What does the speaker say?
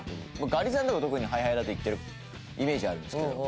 ガリさんとか特にＨｉＨｉだと言ってるイメージあるんですけど。